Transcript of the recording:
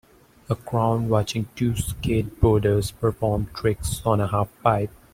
A crown watching two skateboarders perform tricks on a half pipe.